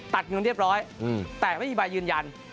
ตัดเงินเรียบร้อยแต่ไม่มีใบยืนยัน